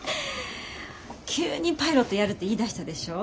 急にパイロットやるて言いだしたでしょ。